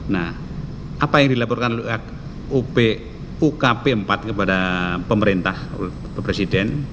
nah apa yang dilaporkan oleh ukp empat kepada pemerintah presiden